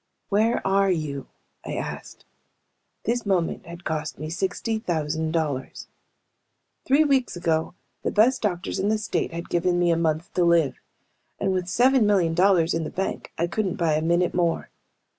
"Where are you?" I asked. This moment had cost me sixty thousand dollars. Three weeks ago the best doctors in the state had given me a month to live. And with seven million dollars in the bank I couldn't buy a minute more.